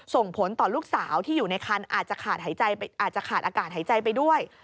ส่งผลต่อลูกสาวที่อยู่ในคันอาจจะขาดอาจจะขาดอากาศหายใจไปด้วย